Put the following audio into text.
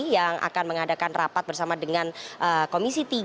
yang akan mengadakan rapat bersama dengan komisi tiga